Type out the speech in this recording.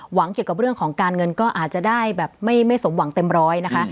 หวังเกี่ยวกับเรื่องของการเงินก็อาจจะได้แบบไม่สมหวังเต็มร้อยนะคะ